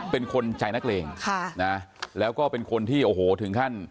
เป็นคนใจนักเลงค่ะนะแล้วก็เป็นคนที่โอ้โหถึงขั้น